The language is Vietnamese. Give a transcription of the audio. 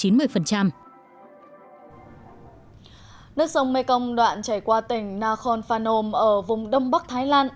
nước sông mekong đoạn chảy qua tỉnh nakhon phanom ở vùng đông bắc thái lan